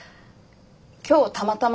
今日たまたま。